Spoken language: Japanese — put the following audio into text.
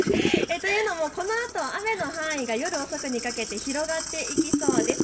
というのもこのあと雨の範囲が夜遅くにかけて広がっていきそうです。